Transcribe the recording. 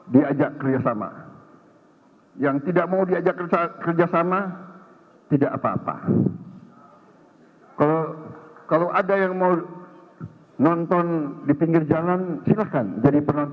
tapi kalau sudah tidak mau diajak kerjasama ya jangan mengganggu